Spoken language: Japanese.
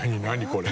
これ。